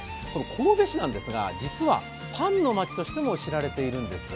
神戸市なんですが、実はパンの街としても知られているんです。